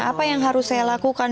apa yang harus saya lakukan